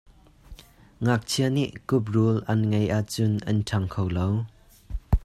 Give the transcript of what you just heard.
Ngakchia nih khuprul an ngeih ahcun an ṭhang kho lo.